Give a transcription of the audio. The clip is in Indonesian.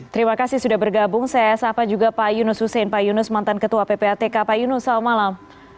terima kasih sudah bergabung saya sapa juga pak yunus hussein pak yunus mantan ketua ppatk pak yunus selamat malam